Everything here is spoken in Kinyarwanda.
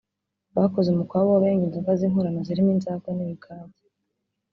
bakoze umukwabo w’abenga inzoga z’inkorano zirimo inzagwa n’ibigage